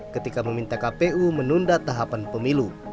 ketika meminta kpu menunda tahapan pemilu